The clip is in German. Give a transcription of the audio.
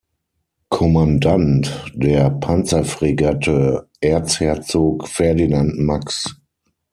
Kommandant der Panzerfregatte "Erzherzog Ferdinand Max".